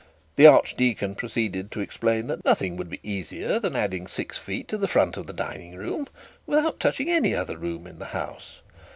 The archdeacon proceeded to explain that nothing would be easier than adding six feet to the front of the dining room, without touching any other of the house.